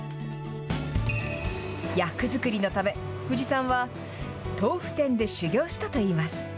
役作りのため、藤さんは豆腐店で修業したといいます。